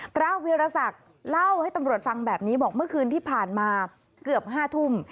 พระวิรสักเล่าให้ตำรวจฟังแบบนี้บอกเมื่อคืนที่ผ่านมาเกือบ๕ทุ่ม